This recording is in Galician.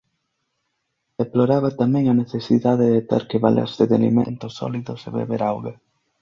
Deploraba tamén a necesidade de ter que valerse de alimentos sólidos e beber auga.